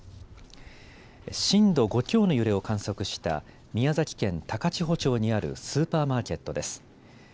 震度５強の揺れを観測した宮崎県高千穂町にあるスーパーマーケットです。